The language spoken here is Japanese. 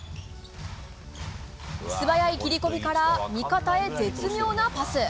素早い切り込みから味方へ絶妙なパス。